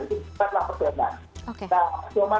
itu sepatah pedoman